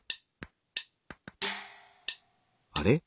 あれ？